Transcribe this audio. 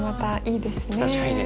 確かにね